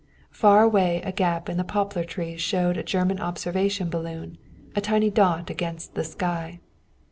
Far away a gap in the poplar trees showed a German observation balloon, a tiny dot against the sky.